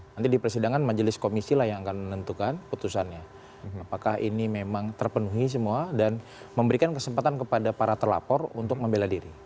nanti di persidangan majelis komisi lah yang akan menentukan putusannya apakah ini memang terpenuhi semua dan memberikan kesempatan kepada para terlapor untuk membela diri